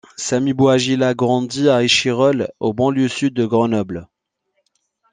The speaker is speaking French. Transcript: Sami Bouajila a grandi à Échirolles en banlieue sud de Grenoble.